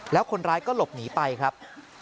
แล้วคนร้ายก็หลบหนีไปครับ